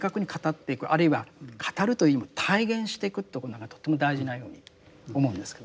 あるいは語るというよりも体現してくということがとても大事なように思うんですけどね。